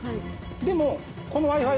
でもこのＷｉ−Ｆｉ